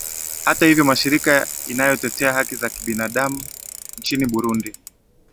hata hivyo mashirika inayotetea haki za binadamu nchini burundi